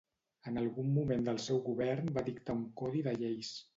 En algun moment del seu govern va dictar un codi de lleis.